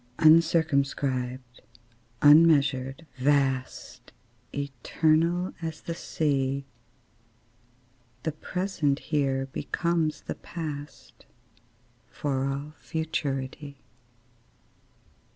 Uncircumscribed, unmeasured, vast, Eternal as the Sea, The present here becomes the past, For all futurity.